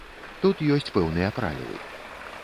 Тут ёсць пэўныя правілы.